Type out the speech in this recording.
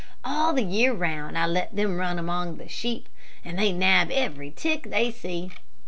All the year round, I let them run among the sheep, and they nab every tick they see."